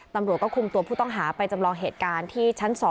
ตำรวจก็คุมตัวผู้ต้องหาไปจำลองเหตุการณ์ที่ชั้น๒